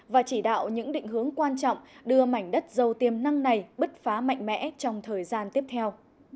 và chỉ đạo những định hướng quan trọng đưa mảnh đất giàu tiềm năng này bứt phá mạnh mẽ trong thời gian tiếp theo